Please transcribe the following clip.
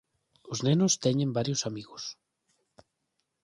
Os nenos teñen varios amigos.